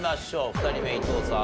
２人目伊藤さん